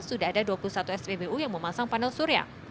sudah ada dua puluh satu spbu yang memasang panel surya